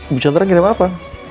bu chandra kirim apa